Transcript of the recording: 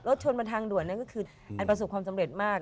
ชนบนทางด่วนนั่นก็คืออันประสบความสำเร็จมาก